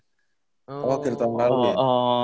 oh akhir tahun lalu ya